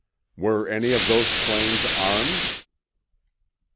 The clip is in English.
Were any of those planes armed?